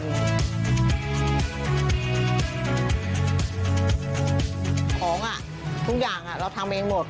ของทุกอย่างเราทำเองหมด